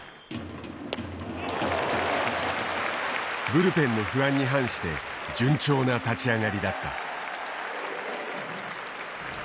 ブルペンの不安に反して順調な立ち上がりだった。